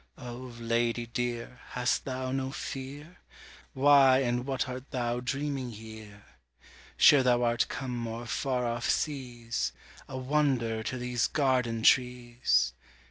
Oh, lady dear, hast thou no fear? Why and what art thou dreaming here? Sure thou art come o'er far off seas, A wonder to these garden trees!